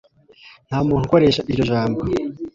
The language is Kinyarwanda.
ntamuntu ukoresha iryo jambo